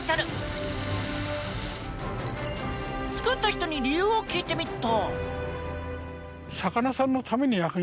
作った人に理由を聞いてみっと。